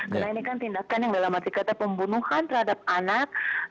karena ini kan tindakan yang dalam arti kata pembunuhan terhadap anak